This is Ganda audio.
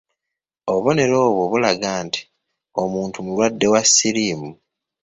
Obubonero obwo bulaga nti omuntu mulwadde wa siriimu.